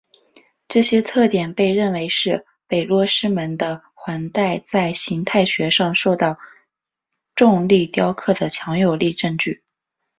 这些特点被认为是北落师门的环带在形态学上受到重力雕刻的强有力证据。